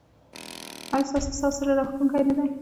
ایا ستاسو ساز زړه راښکونکی نه دی؟